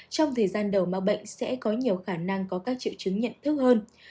trong thời gian đầu mắc bệnh sẽ có nhiều khả năng có các triệu chứng nhận thức hơn